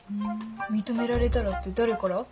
認められたらって誰から？